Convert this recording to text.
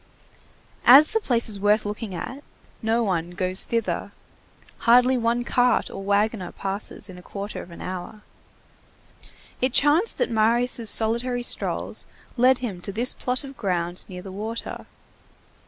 As the place is worth looking at, no one goes thither. Hardly one cart or wagoner passes in a quarter of an hour. It chanced that Marius' solitary strolls led him to this plot of ground, near the water.